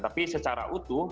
tapi secara utuh